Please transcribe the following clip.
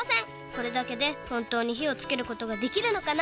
これだけでほんとうにひをつけることができるのかな？